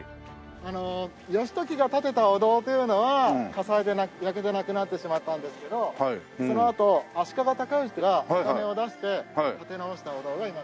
あの義時が建てたお堂というのは火災で焼けてなくなってしまったんですけどそのあと足利尊氏がお金を出して建て直したお堂が今の。